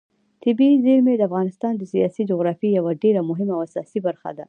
طبیعي زیرمې د افغانستان د سیاسي جغرافیې یوه ډېره مهمه او اساسي برخه ده.